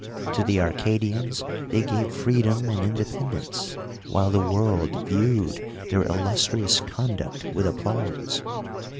To the Arcadians they gave freedom and inde pendence; while the world viewed thcnr illus trious c(mduct with applause.